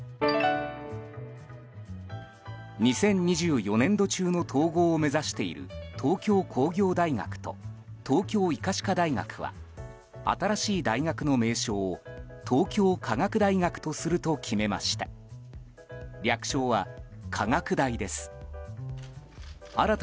２０２４年度中の統合を目指している東京工業大学と東京医科歯科大学は新しい大学の名称を東京科学大学とすると決めました。